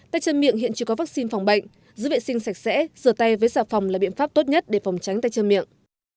tay chân miệng hiện chưa có vaccine phòng bệnh giữ vệ sinh sạch sẽ rửa tay với xà phòng là biện pháp tốt nhất để phòng tránh tay chân miệng